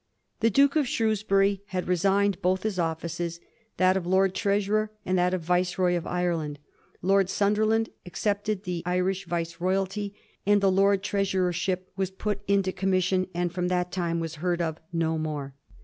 The Duke of Shrewsbury had resigned both his offices ; that of Lord Treasurer, and that of Viceroy of Ireland, Lord Sunderland accepted the Irish Viceroyalty, and the Lord Treasurership was put into commission and fipom that time was heard of no more.